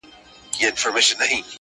ستا بې روخۍ ته به شعرونه ليکم.